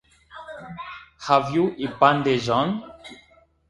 Have you a bandage on?